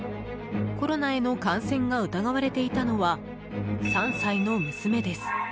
コロナへの感染が疑われていたのは３歳の娘です。